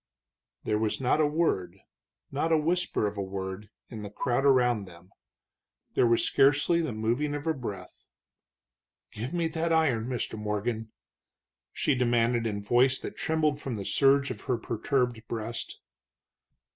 There was not a word, not the whisper of a word, in the crowd around them. There was scarcely the moving of a breath. "Give me that iron, Mr. Morgan!" she demanded in voice that trembled from the surge of her perturbed breast.